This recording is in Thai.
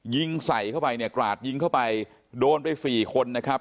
ยิงใส่เข้าไปเนี่ยกราดยิงเข้าไปโดนไปสี่คนนะครับ